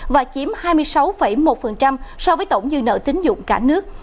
và chiếm hai mươi sáu một so với tổng dư nợ tính dụng cả nước